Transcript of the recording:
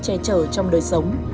che chở trong đời sống